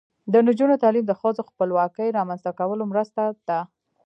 د نجونو تعلیم د ښځو خپلواکۍ رامنځته کولو مرسته ده.